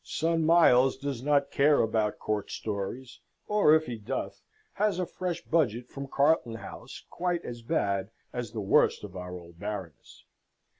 Son Miles does not care about court stories, or if he doth, has a fresh budget from Carlton House, quite as bad as the worst of our old Baroness.